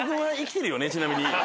ちなみに。